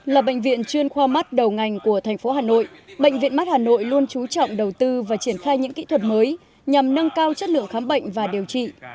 là bệnh viện chuyên khoa mắt đầu ngành của thành phố hà nội bệnh viện mắt hà nội luôn trú trọng đầu tư và triển khai những kỹ thuật mới nhằm nâng cao chất lượng khám bệnh và điều trị